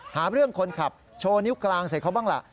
หาเรื่องคนขับโชว์นิ้วกลางใส่เขาบ้างล่ะ